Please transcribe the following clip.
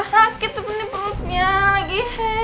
sakit tuh penuh perutnya lagi